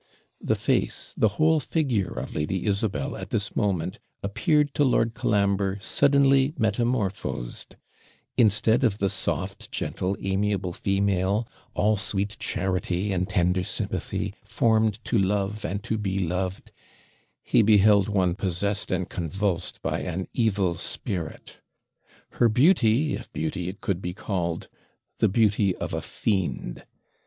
The face, the whole figure of Lady Isabel at this moment appeared to Lord Colambre suddenly metamorphosed; instead of the soft, gentle, amiable female, all sweet charity and tender sympathy, formed to love and to be loved, he beheld one possessed and convulsed by an evil spirit her beauty, if beauty it could be called, the beauty of a fiend.